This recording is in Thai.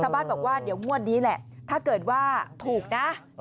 บ้านบอกว่าเดี๋ยวงวดนี้แหละถ้าเกิดว่าถูกนะ